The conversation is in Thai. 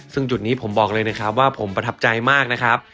ซึ่งจุดนี้ผมบอกเลยนะครับว่าผมประทับใจมากนะครับ